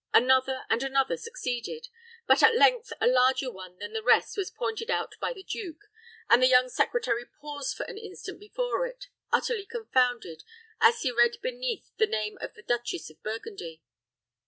Another and another succeeded; but at length a larger one than the rest was pointed out by the duke, and the young secretary paused for an instant before it, utterly confounded as he read beneath the name of the Duchess of Burgundy.